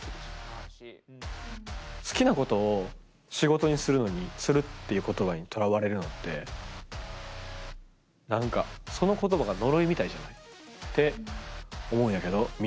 好きなことを仕事にするのにするっていうことばにとらわれるのってなんか、そのことばが呪いみたいじゃない？って思うんやけど、みんなどう？